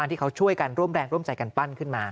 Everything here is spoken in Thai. ที่เขาช่วยกันร่วมแรงร่วมใจกันปั้นขึ้นมา